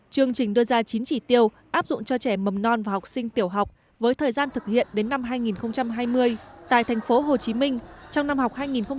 chương trình đưa ra chín chỉ tiêu áp dụng cho trẻ mầm non và học sinh tiểu học với thời gian thực hiện đến năm hai nghìn hai mươi tại thành phố hồ chí minh trong năm học hai nghìn một mươi tám hai nghìn một mươi chín